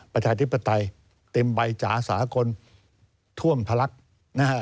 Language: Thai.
ประชาธิปไตยเต็มใบจ๋าสากลท่วมพลักษณ์นะฮะ